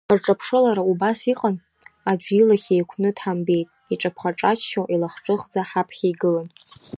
Рҿаԥшылара убас иҟан, аӡәы илахь еиқәны дҳамбеит, иҿаԥха-ҿаччо, илахҿыхӡа ҳаԥхьа игылан.